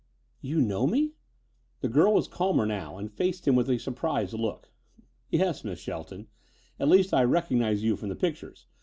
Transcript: "You know me?" The girl was calmer now and faced him with a surprised look. "Yes, Miss Shelton. At least I recognize you from the pictures.